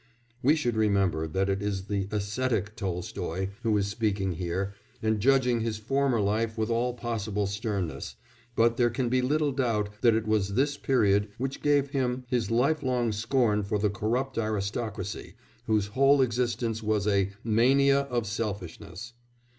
We should remember that it is the ascetic Tolstoy who is speaking here and judging his former life with all possible sternness, but there can be little doubt that it was this period which gave him his life long scorn for the corrupt aristocracy whose whole existence was "a mania of selfishness."